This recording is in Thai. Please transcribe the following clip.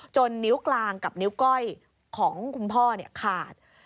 นิ้วกลางกับนิ้วก้อยของคุณพ่อขาด